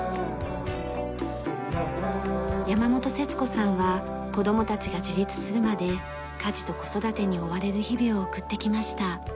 山本節子さんは子供たちが自立するまで家事と子育てに追われる日々を送ってきました。